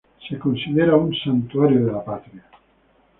Se considera un "Santuario de la patria".